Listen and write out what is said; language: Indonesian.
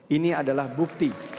ini adalah bukti